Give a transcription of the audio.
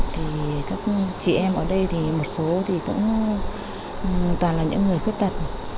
thì các chị em ở đây thì một số thì cũng toàn là những người khuyết tật